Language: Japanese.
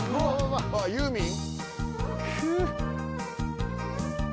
ユーミン？